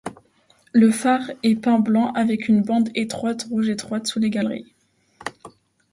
Le phare est peint blanc avec une bande étroite rouge étroite sous les galeries.